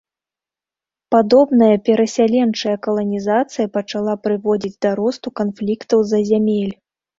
Падобная перасяленчая каланізацыя пачала прыводзіць да росту канфліктаў з-за зямель.